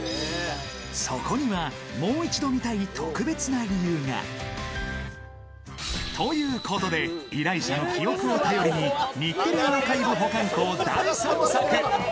そこには、もう一度見たい特別な理由が。ということで、依頼者の記憶を頼りに、日テレアーカイブ保管庫を大捜索。